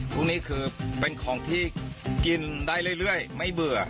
พวกนี้คือเป็นของที่กินได้เรื่อยไม่เบื่อ